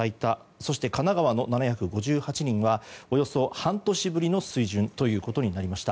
そして神奈川の７５８人はおよそ半年ぶりの水準ということになりました。